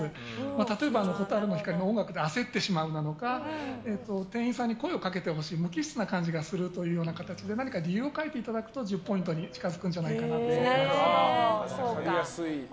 例えば、「蛍の光」の音楽が焦ってしまうなのか店員さんに声をかけてほしい無機質な感じがするとか何か理由を書いていただけると１０ポイントに近づくんじゃないかなと思います。